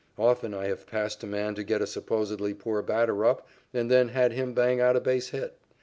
Often I have passed a man to get a supposedly poor batter up and then had him bang out a base hit.